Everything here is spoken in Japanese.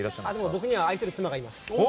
僕には愛する妻がいます。